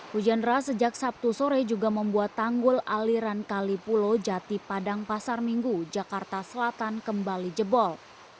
hujan deras sejak sabtu sore juga membuat tanggul aliran kali pulo jati padang pasar minggu jakarta selatan kembali jebol